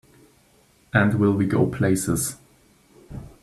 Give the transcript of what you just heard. And will we go places!